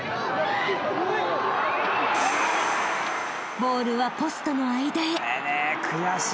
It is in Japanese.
［ボールはポストの間へ］